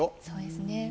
そうですね。